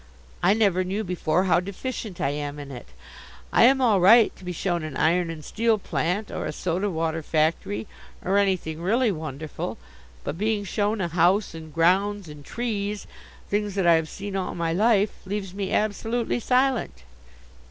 I never knew before how deficient I am in it. I am all right to be shown an iron and steel plant, or a soda water factory, or anything really wonderful, but being shown a house and grounds and trees, things that I have seen all my life, leaves me absolutely silent.